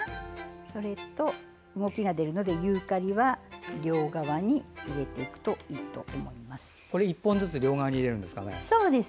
それと、動きが出るのでユーカリは両側に入れていくといいです。